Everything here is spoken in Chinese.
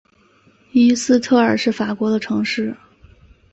伊斯特尔是法国的城市。